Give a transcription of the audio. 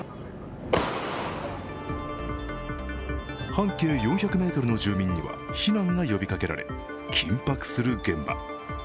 半径４００ｍの住民には避難が呼びかけられ緊迫する現場。